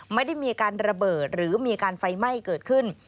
ไม่ได้มีการระเบิดหรือมีการไฟไหม้เกิดขึ้น